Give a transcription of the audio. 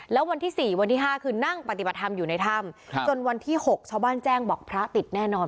แล้ววันที่๔วันที่๕คือนั่งปฏิบัติธรรมอยู่ในถ้ำจนวันที่๖ชาวบ้านแจ้งบอกพระติดแน่นอน